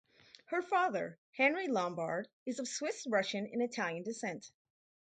Her father, Henri Lombard, is of Swiss-Russian and Italian descent.